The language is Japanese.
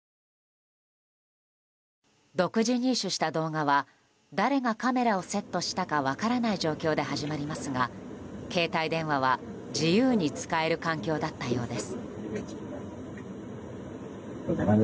独自入手した動画は誰がカメラをセットしたか分からない状況で始まりますが携帯電話は自由に使える環境だったようです。